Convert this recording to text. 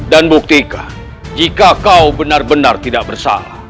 dan buktikan jika kau benar benar tidak bersalah